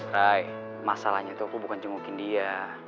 ray masalahnya tuh aku bukan cemukin dia